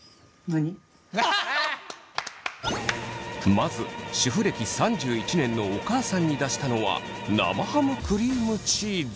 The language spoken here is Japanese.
まず主婦歴３１年のお母さんに出したのは生ハムクリームチーズ。